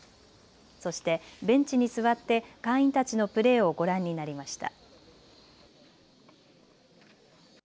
そしてベンチに座って会員たちのプレーをご覧になりました。